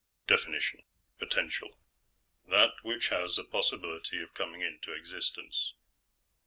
Definition: _Potential; that which has a possibility of coming into existence.